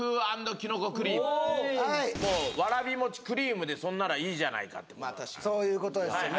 きなこクリームもうわらび餅クリームでそんならいいじゃないかってそういうことですよね